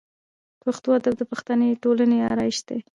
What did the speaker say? پښتو ادب د پښتني ټولنې آرایش دی.